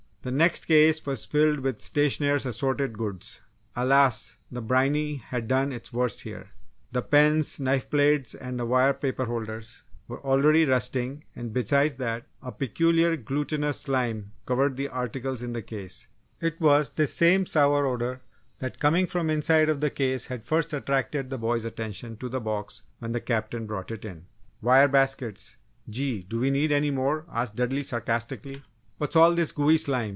The next case was filled with stationers' assorted goods. Alas! the briny had done its worst here. The pens, knife blades and wire paper holders were already rusting and besides that a peculiar glutinous slime covered the articles in the case. It was this same sour odour that, coming from the inside of the case had first attracted the boys' attention to the box when the Captain brought it in. "Wire baskets! Gee, do we need any more?" asked Dudley, sarcastically. "What's all this gooey slime!"